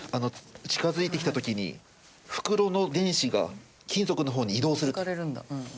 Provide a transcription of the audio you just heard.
近づいてきた時に袋の電子が金属の方に移動すると。引かれるんだ。